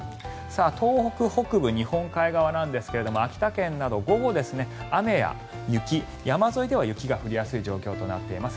東北北部、日本海側なんですが秋田県など午後、雨や雪山沿いでは雪が降りやすい状況となっています。